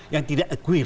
yang tidak equal